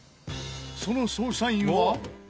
その捜査員は。